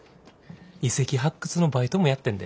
遺跡発掘のバイトもやってんで。